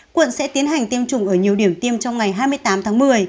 quận sẽ tiến hành tiêm chủng ở nhiều điểm tiêm trong ngày hai mươi tám tháng một mươi